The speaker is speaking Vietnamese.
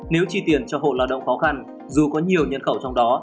nếu chi tiền cho hộ lao động khó khăn dù có nhiều nhân khẩu trong đó